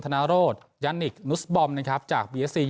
ธนารดยันนิคนุสบอมนะครับจากบีเอ็ซซียัง